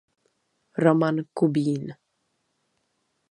Roman Kubín.